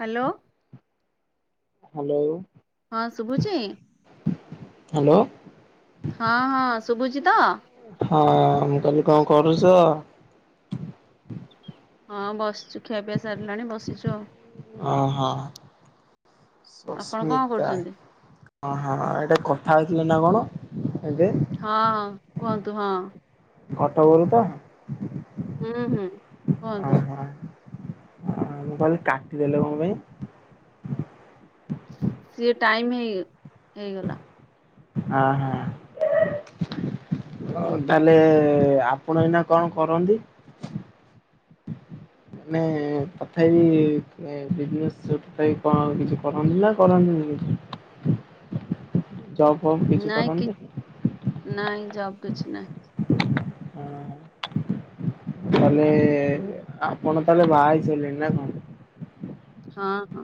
Hello. Hello. ହଁ ଶୁଭୁଚି? Hello ହଁ ହଁ ଶୁଭୁଚି ତ? ହଁ ମୁଁ କହିନି କଣ କରୁଚ? ହଁ ବସିଛୁ ଖିଆ ପିଇଆଇ ସାରିଲାଣି ବସିଛୁ ଆଉ ହ ହଁ ଆପଣ କଣ ସସ୍ମିତା କରୁଛନ୍ତି ଓ ହ ଏଇଟା କଥା ହେଇଥିଲେ ନା କଣ ଏବେ? ହଁ ହଁ କୁହନ୍ତୁ ହଁ କଟକ ରୁ ତ? ହୁଁ ହୁଁ କୁହନ୍ତୁ। ଆ ମୁଁ କହିଲି କାଟିଦେଲେ କଣ ପାଇଁ? ସିଏ ଟାଇମ ହେଇ ହେଇଗଲା। ହଁ ହଁ। ତାହେଲେ ଆପଣ ଏଇନା କଣ କରନ୍ତି? ମାନେ ଏଁ ତଥାପି ଏଁ ବିଜନେସ ତଥାବି କଣ କିଛି କରନ୍ତି ନା କରନ୍ତିନି? ଠିକଅଛି ଜବ୍ କିଛି ନାଇଁ କି କରନ୍ତି? ନାଇଁ ଜବ କିଛି ନାଇଁ ହଁ ତାଲେ ହୁଁ ଆପଣ ତାହଲେ ବାହା ହେଇ ସାରଲେଣି ନା କଣ? ହଁ ହଁ।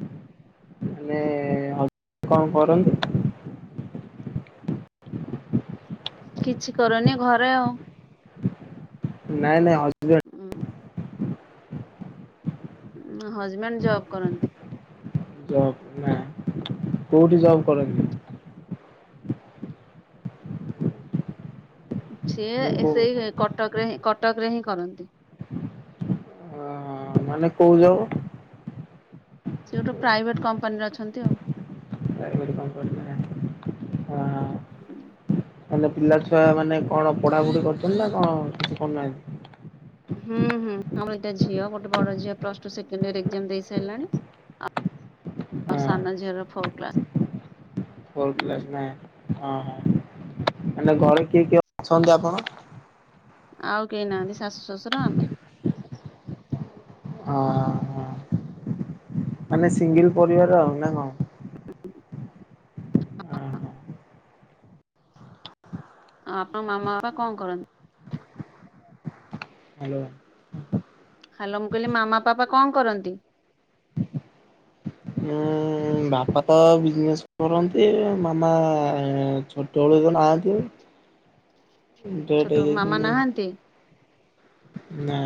ମାନେ କଣ କରନ୍ତି? କିଛି କରୁନି ଘରେ ଆଉ ନାଇଁ ନାଇଁ ହ ହୁଁ। ହଜବେଣ୍ଡ ଜବ୍ କରନ୍ତି? ଜବ ନା କୋଉଠି ଜବ୍ କରନ୍ତି? ସିଏ ନା ଏ କୋଉ ସେଇ କଟକରେ ହ କଟକରେ ହିଁ କରନ୍ତି। ହଁ ମାନେ କୋଉଁ ଯବ? ସେ ଗୋଟେ ପ୍ରାଇଭେଟ କମ୍ପାନୀରେ ଅଛନ୍ତି ଆଉ। ପ୍ରାଇଭେଟ୍ କମ୍ପାନୀ ନା ହଁ। ହୁଁ। ମାନେ ପିଲା ଛୁଆ ମାନେ କଣ ପଢାପଢି କରୁଛନ୍ତି ନା କଣ କରୁନାହାନ୍ତି। ହୁଁ ହୁଁ। ଆମର ଏଇଟା ଝିଅ ଗୋଟେ ବଡ ଝିଅ plus two second year exam ଦେଇ ସାରିଲାଣି ଆଉ ହଁ। ସାନ ଝିଅର ଫୋର୍ କ୍ଲାସ। ଫୋର୍ଥ ହୁଁ କ୍ଲାସ ନ ହଁ ହଁ ମ ଘରେ କିଏ କିଏ ଅଛନ୍ତି ଆପଣ? ଆଉ କେହି ନାହାନ୍ତି। ଶାଶୁ ଶ୍ୱଶୁର ଆମେ। ହଁ ହଁ। ମାନେ ସିଙ୍ଗଲ ପରିବାର ଆଉ ନା କଣ? ହଁ ହଁ। ଆପଣଙ୍କ ମାମା ବାପା କଣ କରନ୍ତି? ହ୍ୟାଲୋ। ହ୍ୟାଲୋ ମୁଁ କହିଲି ମାମା ପାପା କଣ କରନ୍ତି? ଉଁ ବାପା ତ ବିଜନେସ କରନ୍ତି? ମାମା ଛୋଟବେଳୁ ତ ନାହାନ୍ତି। ଡେଥ୍ ଛୋଟ ମାମା ହେଇଯାଇଛନ୍ତି ନାହାନ୍ତି ନା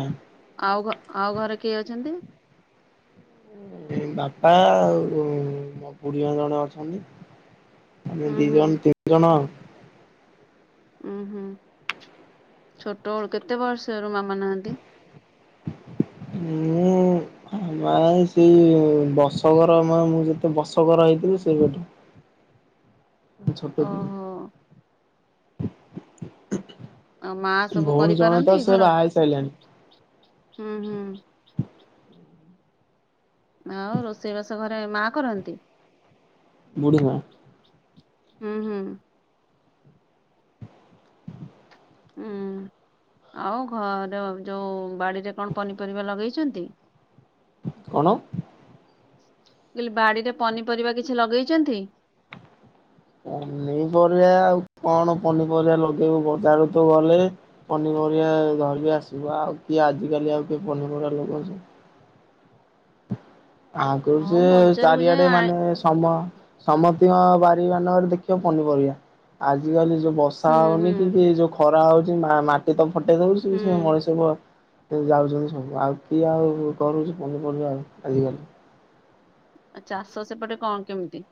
ଆଉ ଆଉ ଘରେ କିଏ ଅଛନ୍ତି? ବାପା ଆଉ ମୋ ପୁଡିଆ ଜଣେ ଅଛନ୍ତି। ଆମେ ଉଁ ଦି ହୁଁ ଜଣ ତିନି ଜଣ। ଉମ୍ଁ ହୁଁ। ଛୋଟ ବେଳୁ କେତେ ବର୍ଷରୁ ମାମା ନାହାନ୍ତି। ମୁଁ ନାଇଁ ସେ ବର୍ଷ କର ମୁଁ ଯେବେ ବର୍ଷ କର ହେଇଥିଲି ସେବେଠୁ। ଛୋଟ ଓହୋ ଦିନ ଆଉ ମା ସବୁ ଭଉଣୀ ଜଣେ କରିପାରନ୍ତି ତ ସେ ଘର? ବାହାର ହେଇ ସାରିଲେଣି। ହୁଁ ହୁଁ। ଆଉ ରୋଷେଇ ବାସ ଘରେ ମା କରନ୍ତି। ବୁଢ଼ୀ ମା। ହୁଁ ହୁଁ। ହୁଁ। ଆଉ ଘର ଯେଉଁ ବାଡ଼ିରେ କଣ ପନିପରିବା ଲଗେଇଛନ୍ତି? କଣ? କହିଲି ବାଡିରେ ପନିପରିବା କିଛି ଲଗେଇଛନ୍ତି? ପନିପରିବା ଆଉ କଣ ପନିପରିବା ଲଗେଇବୁ ବଜାର କୁ ତ ଗଲେ ଧରିକି ଆସିବୁ ଆଉ କିଏ ଆଜିକାଲି ଆଉ କିଏ ପନିପରିବା ଲଗଉଚି ଆଗରୁ ହଁ ଯେ ବଜାରକୁ ଯାଇ ଚାରିଆଡେ ଆଁ ମାନେ ସମ ସମ ବାରି ମାନଙ୍କରେ ଦେଖିବା ପନିପରିବା ଆଜିକାଲି ଯୋଉଁ ବର୍ଷା ହୁଁ ହୁଁ ହଉନି କି କି ଯୋଉଁ ଖରା ହଉଛି ମାଟି ତ ଫଟେଇ ଦଉଛି। ସେ ହୁଁ ମଣିଷକୁ ଯାଉଛନ୍ତି ସବୁ ଆଉ କିଏ ଆଉ କରୁଛି ପନିପରିବା ଆଉ ଆଜିକାଲି ଆଉ ଚାଷ ସେପଟେ କଣ କେମିତି?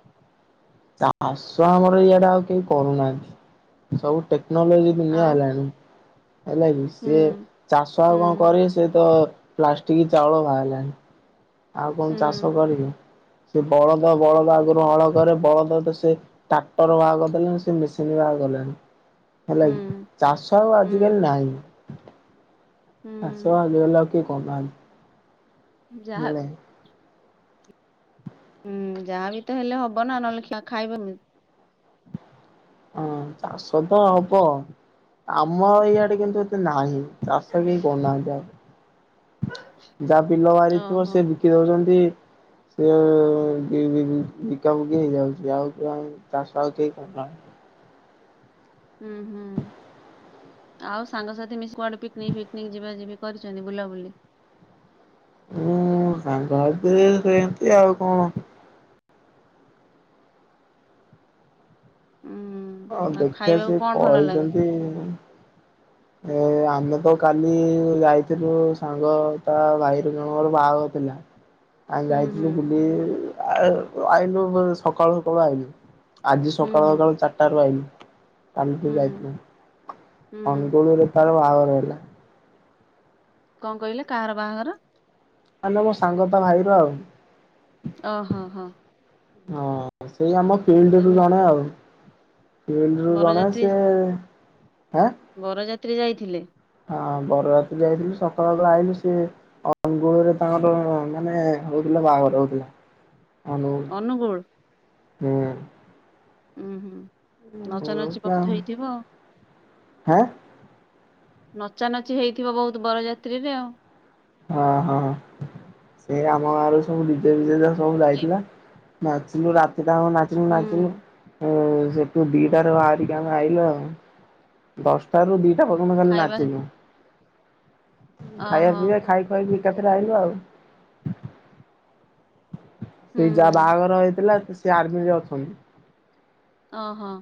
ଚାଷ ଆମର ଇଆଡେ ଆଉ କେହି କରୁନାହାନ୍ତି ସବୁ ଟେ କ୍ନୋଲୋଜି ଦୁନିଆ ଆଉ ହେଲାଣି ହେଲା କିି ହୁଁ ସିଏ ଚାଷ ଆଉ କଣ ହୁଁ କରେ ସେତ ପ୍ଲାଷ୍ଟିକ ଚାଉଳ ବାହାରିଲାଣି ଆଉ କଣ ହୁଁ ଚାଷ କରିବୁ। ସେ ବଳଦ ବଳଦ ଆଗରୁ ହଳ କରେ ବଳଦ ତ ସେ ଟ୍ରାକ୍ଟର ବାହାର କରିଦେଲେଣି ସେ ମେସିନରେ ଆଉ କଲେଣି ହୁଁ ହେଲାକି ଚଷ ଆଉ ଆଜିିକାଲି ହୁଁ ନାହିଁ। ଚାଷ ହୁଁ ଆଜି ହେଲା କିି କମାଲ। ଯାହା ହୁଁ ଯାହାବି ତ ହେଲେ ହବ ନା ନହେଲେ ଖିଆ ଖାଇବ କେମିତି। ହଁ ଚାଷ ତ ହବ। ଆମ ଇଆଡେ ହୁଁ କିନ୍ତୁ ଏତେ ନାହିଁ ଚାଷ କେହି କରୁନାହାନ୍ତି ଆଉ। ଯାହା ବିଲବାଡି ଥିବ ଓହୋ ସେ ବିକି ଦୋଉଚନ୍ତି। ସେ ବି-ବି-ବିକାବିକି ହେଇଯାଉଚି ଆଉ ଆଉ ଚାଷ ଆଉ କେହି କରୁ ନାଁହାନ୍ତି। ହୁଁ ହୁଁ। ଆଉ ସାଙ୍ଗସାଥି ମିଶି କୁଆଡେ ପିକନିକ୍ ଫିକିନିକ୍ ଯିବା ଯିବି କରିଚନ୍ତି ବୁଲାବୁଲି? ମୁଁ ସାଙ୍ଗ ସାଥିରେ ସେମିତି ଆଉ କଣ। ଅ ହୁଁ ଆଉ ଦେଖିବା ଖାଇବାକୁ ସେ କଣ ଭଲ ଲାଗେ? କହିଚନ୍ତି। ଏ ଆମେ ତ କାଲି ଯାଇଥିଲୁ ସାଙ୍ଗ ତା ଭାଇ ଜଣଙ୍କର ବାହାଘର ଥିଲା। ଆମେ ହୁଁ ଯାଇଥିଲୁ ହୁଁ ବୁଲି ଆ-ଆଇଲୁ ସକାଳୁ ସକାଳୁ ଆଇଲୁ। ଆଜି ହୁଁ ସକାଳୁ ହୁଁ ସକାଳୁ ଚାରିଟାରୁୁ ଆଇଲୁ କାଲିଠୁ ହୁଁ ଯାଇଥିଲି। ହୁଁ ଅନୁଗୁଳରେ ତାର ବାହାଘର ହେଲା। କଣ କହିଲେ କାହାର ବାହାଘର? ମାନେ ମୋ ସାଙ୍ଗ ତା ଭାଇର ଆଉ। ଓ ହୋ ହ ହ। ହଁ ସେଇ ଆମ ଫିଲ୍ଡରୁ ଜଣେ ଆଉ। ଫିଲ୍ଡ ରୁ ଜଣେ ବରଯାତ୍ରୀ ସେ ଆଁ ବରଯାତ୍ରୀ ଯାଇଥିଲେ। ହଁ ବରଯାତ୍ରି ଯାଇଥିଲୁ ସକାଳ ବେଳୁ ଆଇଲୁ ସେ ଅନୁଗୁଳରେ ତାଙ୍କର ମାନେ ହୋଉ ବାହାଘର ହୋଉଥିଲା। ଅନୁଗୁଳ। ହୁଁ। ଉଁ ହୁଁ ନଚାନଚି ଆଁ ବୋହୁତ ହେଇଥିବ। ନଚାନଚି ହେଇଥିବ ବୋହୁତ ହେଇଥିବ ବରଯାତ୍ରୀରେ ଆଉ। ହଁ ହଁ ସେ ଆମ ଗାଁରୁ ସବୁ ନିଜେ ନିଜେ ସବୁ ଯାହା ଖାଇ ଯାଇଥିଲା। ନାଚିଲୁ ରାତିଟାଙ୍କ ନାଚିଲୁ ହୁଁ ନାଚିଲୁ ଏଂ ସେଠୁ ଦିଇଟାରେ ବାହାରିକି ଆମେ ଆଇଲୁ ଆଉ ଦଶଟାରୁ ଦିଇ ଟା ପର୍ଯ୍ୟନ୍ତ ଖାଲି ନାଚିଲୁ। ଓ ଖାଇବା ହୋ। ପିଇବା ଖାଇ ଏକାଥରେ ଆଇଲୁ ଆଉ। ସେ ହୁଁ ଯାହା ବାହାଘର ହେଇଥିଲା ସେ ଆର୍ମିରେ ଅଛନ୍ତି। ଓ ହଁ।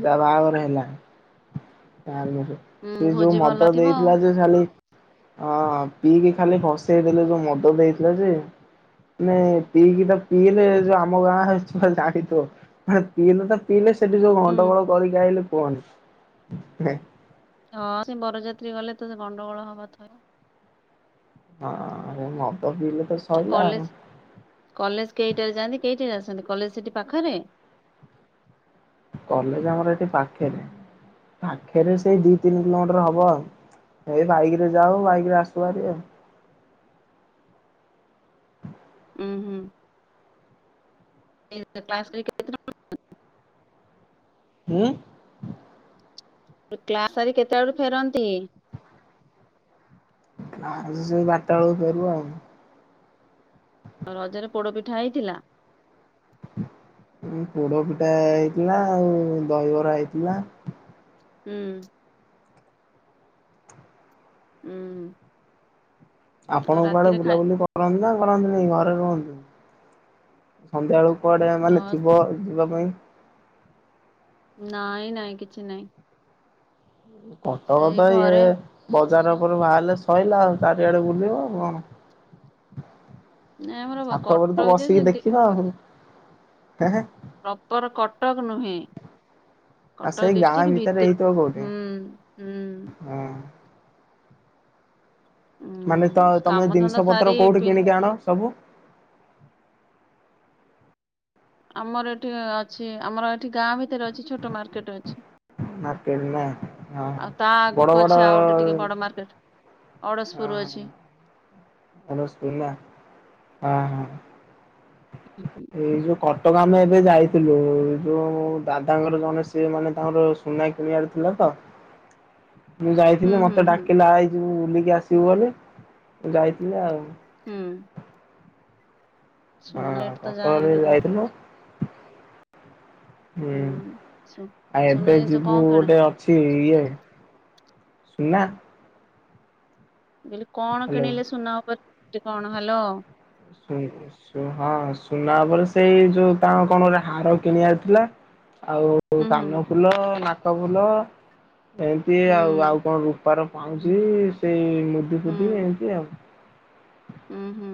ଯା ବାବାଘର ହେଲା ତାରବା ହୁଁ ସେ ଯୋଉ ଭୋଜି ଭଲ ମଦ ଥିବ ଆଉ ଦେଇଥିଲା ଯେ ଖାଲି ଅ ପିଇକି ଖାଲି ଭସେଇଦେଲେ ଯୋଉ ମଦ ଦେଇଥିଲା ଯେ ମୁଁ ପିଇକି ତ ପିଇଲେ ଯୋଉ ଆମ ଗାଁ ଛୁଆ ଜାଣିଥିବ ହେ ପିଇଲେ ତ ପିଇଲେ ସେଠି ଯୋଉ ହୁଁ ଗଣ୍ଡଗୋଳ କରିକି ଆଇଲେ କୁହନି ହେ। ହଁ ସେଇ ବରଯାତ୍ରୀ ଗଲେ ତ ସେ ଗଣ୍ଡଗୋଳ ହବା ଥୟ। ହଁ ହେ ମବ କଲେଜ କଲେଜ କେଇଟାରେ ଯାଆନ୍ତି କେଇଟାରେ ଆସନ୍ତି? କଲେଜ ସେଠି ପାଖରେ? କଲେଜ ଆମର ଏଠି ପାଖରେ ପାଖରେ ସେଇ ଦି ତିନି କିଲୋମିଟର ହବ ଆଉ। ଏଇ ବାଇକ ରେ ଯାଉ ବାଇକରେ ଆଶୁଭାରି ଆଉ। ଉଁ ହୁଁ। [inaudible] କ୍ଲାସ କରି କେତେଟାରେ [inaudible] ଉଁ। କ୍ଲାସ ସାରି କେତେ ବଳୁ ଫେରନ୍ତି। ସେଇ ବାରଟା ବେଳକୁ ଫେରୁ ଆଉ। ରଜରେ ପୋଡ ପିଠା ହେଇଥିଲା? ପୋଡ ପିଠା ହେଇଥିଲା ଆଉ ଦହିବରା ହେଇଥିଲା। ହୁଁ। ଉଁ। ଆପଣ କୁଆଡେ ବୁଲାବୁଲି କରନ୍ତି ନା? କରନ୍ତି ନାାଇଁ ଘରେ ରୁହନ୍ତି ସନ୍ଧ୍ୟା ବେଳକୁ କୁଆଡେ ମାନେ ହଁ ଥିବ ଯିବା ନାଁଇ ନାଇଁ ନାଇଁ କିଛି ନାଇଁ କଟକ ସେଇ ତ ଇଏ ଘରେ ବ ଚାର ଉପରେ ବାହେଲେ ସଇଲା ଆଉ ଚାରିଆଡେ ବୁଲିବ ଆଉ କଣ। ନାଇଁ ଆମର ଛାତ ଉପରେ ତ କଟକ ଯେ ବସିକି ସେମିତି ଦେଖିନ ଆଉ ହେଁ ହେଁ। ପ୍ରପର କଟକ ନୁହେଁ। ଆଉ କଟକ ସେଇ ଗାଁ ଡିଷ୍ଟ୍ରିକ୍ଟ ଭିତରେ ଭିତୁର ହେଇଥିବ କୋଉଠି ହୁଁ ହୁଁ। ହଁ। ମାନେ ଉଁ ତ ତମେ କାମ ଧନ୍ଦା ଜିନିଷ ପତ୍ର ସାରି କୋଉଠି ପିଲା କିଣିକି ଆଣ ସବୁ। ଆମର ଏଠି ଅଛି ଆମର ଏଠି ଗାଁ ଭିତରେ ଅଛି ଛୋଟ ମାର୍କେଟ ଅଛି। ମାର୍କେଟ ନା ହଁ। ଆଉ ତା ବଡ ଆଗକୁ ବଡ ଅଛି ଆଉ ଗୋଟେ ଟିକେ ବଡ ମାର୍କେଟ। ଅଡ଼ଶପୁର ଅଛି। ଅଡସପୁର ନାଁ ହଁ ହଁ ଏଇ ଯୋଉ କ କଟକ ଆମେ ଏବେ ଯାଇଥିଲୁ ଯୋଉ ଦାଦାଙ୍କର ଜଣେ ସିଏ ମାନେ ତାଙ୍କର ସୁନା କିଣିବାର ଥିଲା ତ। ହଁ। ମୁଁ ହୁଁ ଯାଇଥିଲି ହୁଁ ମତେ ହୁଁ ଡାକିଲା ଆଇ ବୁଲିକି ଆସିବୁ ବୋଲି ମୁଁ ଯାଇଥିଲି ଆଉ। ହୁଁ। ହଁ ସୁନା ରେଟ ତ କଟକ ଯାହା ହେଣେ ଯଉ କୋଉଠି ଯାଇଥିନୁ। ହୁଁ ସୁ ଆଉ ସୁନା ଏବେ ଜିନିଷ କଣ ଯିବୁ କିଣା ଗୋଟେ ଅଛି ଇଏ ସୁନା। ବୋଲି କଣ ହାଲୋ କିଣିଲେ ସୁନା ଉପରେ କଣ ହାଲୋ। ସୁ ସୁ ହଁ ସୁନା ଉପରେ ସେଇ ଯୋଉ ତାଙ୍କ କଣ ଗୋଟେ ହାର କିଣିବାର ଥିଲା। ଆଉ ହୁଁ ହୁଁ କାନ ଫୁଲ ନାକ ଫୁଲ ଏମିତି ହୁଁ ଆଉ ଆଉ କଣ ରୁ ପାର ପାଉଁଜି ସେଇ ମୁଦି ହୁଁ ଫୁଦି ଏନ୍ତି ଆଉ। ହୁଁ ହୁଁ।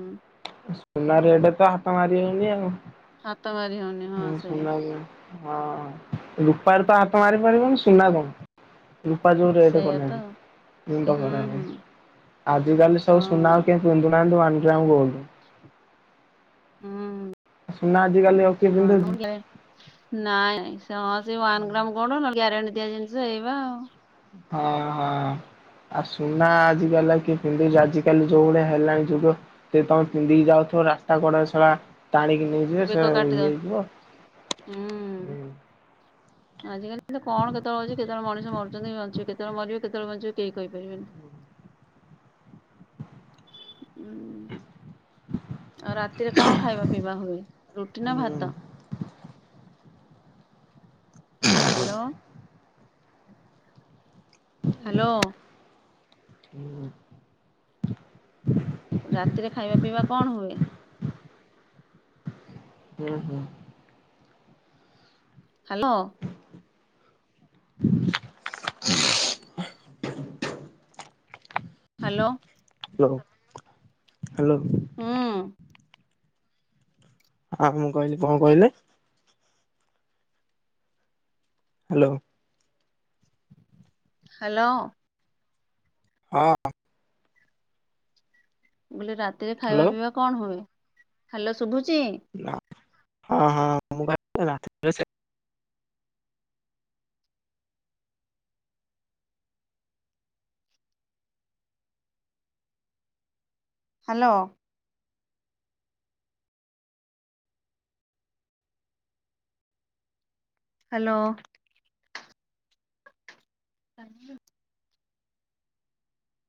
ସୁନା ରେଟ ତ ହାତ ମାରି ହଉନି ଆଉ। ହାତ ମାରି ହଉନି ହଁ ହୁଁ ସେଇଆ ସୁନା ଆଜ୍ଞା। ହଁ ରୂପାର ତ ହାତ ମାରି ପାରିବନି ସୁନା କଣ ରୁପା ଯଉ ରେଟ ସେଇଆ ତ କଲାଣି ଆଉ ମୁଣ୍ଡ ଖରାପେ। ହୁଁ ହୁଁ ଆଜିକାଲି ସବୁ ସୁନା ଆଉ କେ ପିନ୍ଧୁନାହାନ୍ତି ୱାନ ଗ୍ରାମ ଗୋଲଡ଼ ହଁ ହୁଁ ସୁନା ଆଜିିକାଲି ନାଇଁ ସେ ୱାନ ଗ୍ରାମ ଗୋଡ ନହେଲେ ଗ୍ୟାରେଣ୍ଟି ଦିଆ ଜିନିଷ ଏଇବା ଆଉ ହଁ ହଁ। ଆଉ ସୁନା ଆଜିକାଲି ଆଉ କିଏ ପିନ୍ଧୁଚି ଆଜିକାଲି ଯୋଉ ଭଳିଆ ହେଲାଣି ଯୁଗ ସେ ତମେ ପିନ୍ଧିକି ଯାଉ ସବୁ ରାସ୍ତା କଡରେ ଶଳା। ଟାଣିକି ନେଇଯିବେ ବେକ ସେ କାଟିଦବ ଇଏ ହେଇଯିବ ହୁଁ ଆଜିକାଲି କଣ କେତେବେଳେ ଅଛି କେତେବେଳେ ମଣିଷ ମରୁଛନ୍ତିଞ୍ଚିବ କେତେବେଳେ ମରିବ କେତେବେଳେ ବଞ୍ଚିବ କେହି କହିପାରିବେନି। ହୁଁ। ଆଉ ରାତିରେ କଣ ଖାଇବା ପିଇବା ହୁଏ ରୁଟି ନା ହୁଁ ଭାତ? ହ୍ୟାଲୋ। ହ୍ୟାଲୋ। ହୁଁ। ରାତିରେ ଖାଇବା ପିଇବା କଣ ହୁଏ? ହୁଁ ହୁଁ। ହ୍ୟାଲୋ। [unintelligible] ହ୍ୟାଲୋ। Hello hello. ହୁଁ। ହଁ ମୁଁ କହିଲି କଣ କହିଲେ? ହ୍ୟାଲୋ। ହ୍ୟାଲୋ। ହଁ। ବୋଇଲେ ରାତିରେ ଖାଇବା ହ୍ୟାଲୋ ପିଇବା କଣ ହୁଏ? ହାଲୋ ଶୁଭୁଚି? ହଁ ହଁ ମୁଁ ରା ସେ ହ୍ୟାଲୋ। ହ୍ୟାଲୋ। କାନ [unintelligible]